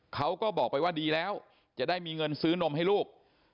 เขาก็บอกไปว่าดีแล้วจะได้มีเงินซื้อนมให้ลูก